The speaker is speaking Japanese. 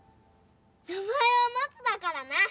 名前は松だからな